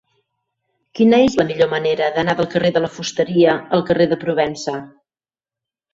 Quina és la millor manera d'anar del carrer de la Fusteria al carrer de Provença?